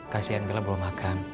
kasian bella belum makan